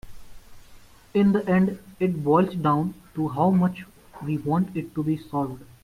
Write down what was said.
In the end it boils down to how much we want it to be solved.